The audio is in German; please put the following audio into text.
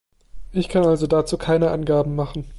Ich kann also dazu keine Angaben machen.